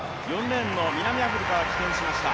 ４レーンの南アフリカは棄権しました。